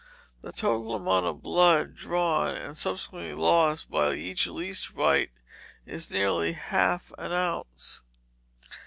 The total amount of blood drawn and subsequently lost by each leech bite, is nearly half an ounce.